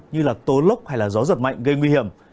như là tố lốc hay là gió giật mạnh gây nguy hiểm